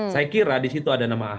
saya kira di situ ada nama ahok